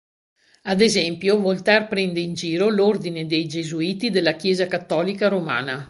Ad esempio, Voltaire prende in giro l'ordine dei Gesuiti della Chiesa Cattolica Romana.